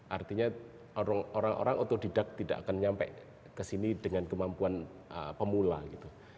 artinya orang orang otodidak tidak akan nyampe kesini dengan kemampuan pemula gitu